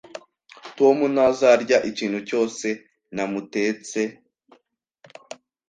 Tom ntazarya ikintu cyose namutetse.